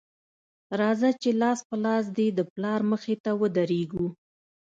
راځه چې لاس په لاس دې د پلار مخې ته ودرېږو